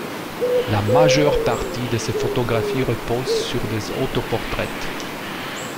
La majeure partie de ses photographies repose sur des autoportraits.